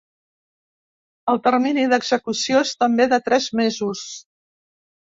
El termini d’execució és també de tres mesos.